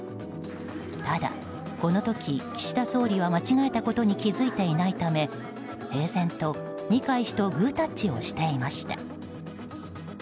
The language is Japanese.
ただ、この時岸田総理は間違えたことに気づいていないため平然と二階氏とグータッチをしていました。